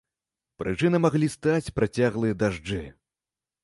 Прычынай маглі стаць працяглыя дажджы.